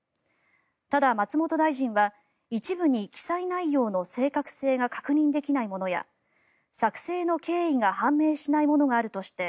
ただ、松本大臣は一部に記載内容の正確性が確認できないものや作成の経緯が判明しないものがあるとして